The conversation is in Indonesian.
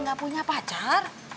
gak punya pacar